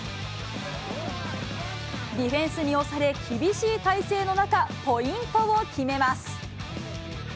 ディフェンスに押され、厳しい体勢の中、ポイントを決めます。